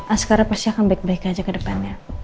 askara pasti akan baik baik aja ke depannya